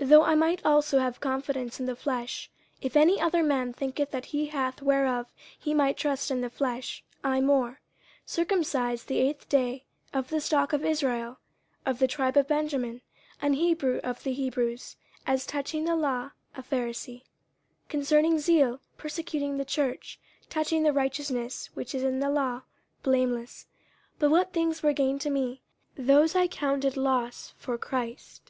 50:003:004 Though I might also have confidence in the flesh. If any other man thinketh that he hath whereof he might trust in the flesh, I more: 50:003:005 Circumcised the eighth day, of the stock of Israel, of the tribe of Benjamin, an Hebrew of the Hebrews; as touching the law, a Pharisee; 50:003:006 Concerning zeal, persecuting the church; touching the righteousness which is in the law, blameless. 50:003:007 But what things were gain to me, those I counted loss for Christ.